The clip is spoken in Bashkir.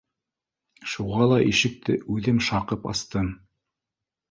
Шуға ла ишекте үҙем шаҡып астым: